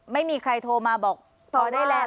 ไม่มีใครโทรมาบอกพอได้แล้ว